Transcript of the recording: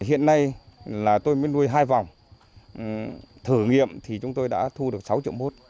hiện nay là tôi mới nuôi hai vòng thử nghiệm thì chúng tôi đã thu được sáu triệu mốt